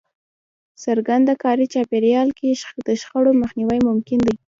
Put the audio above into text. څرنګه کاري چاپېريال کې د شخړو مخنيوی ممکن دی؟